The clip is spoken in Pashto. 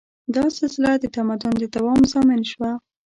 دا سلسله د تمدن د دوام ضامن شوه.